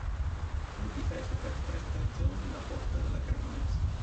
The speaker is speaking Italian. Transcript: Ha poi difeso per tre stagioni la porta della Cremonese.